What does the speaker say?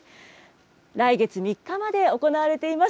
来月３日まで行われています。